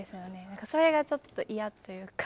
何かそれがちょっと嫌というか。